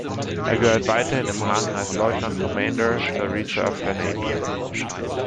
Er gehört weiterhin im Rang eines Lieutenant Commander zur Reserve der Navy.